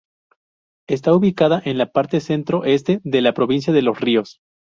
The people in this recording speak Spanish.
Está ubicada en la parte centro este de la provincia de Los Ríos.